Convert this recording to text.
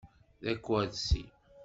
D akersi.